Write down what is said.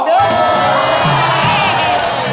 เรียกมาล่ะ